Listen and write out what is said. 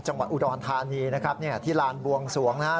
จังหวัดอุดรธานีนะครับเนี่ยที่ลานบวงสวงนะฮะ